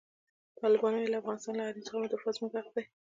طالبانو وویل، د افغانستان له حریم څخه دفاع زموږ حق دی.